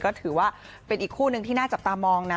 ก็ถือว่าเป็นอีกคู่นึงที่น่าจับตามองนะ